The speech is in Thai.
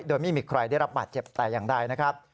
โดยไม่มีใครได้รับบาดเจ็บแต่อย่างใดนะครับ